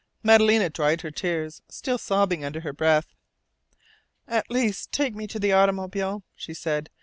Madalena dried her tears, still sobbing under her breath. "At least take me to the automobile," she said.